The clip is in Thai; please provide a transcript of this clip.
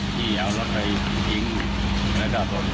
พี่เอารถไปทิ้งแล้วก็ทิ้งไว้ไกลกับรถรอบอันอีก